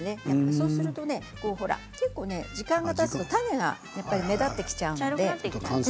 そうするとね時間がたつと種が目立ってきてしまうのでね。